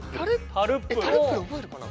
えタルップル覚えるかな？